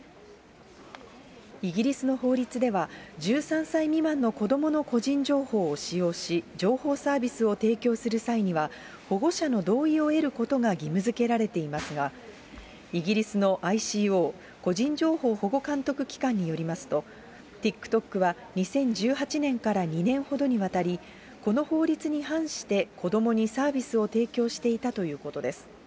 イギリスの法律では、１３歳未満の子どもの個人情報を使用し、情報サービスを提供する際には、保護者の同意を得ることが義務づけられていますが、イギリスのＩＣＯ・個人情報保護監督機関によりますと、ＴｉｋＴｏｋは２０１８年から２年ほどにわたり、この法律に反して子どもにサービスを提供していたということです。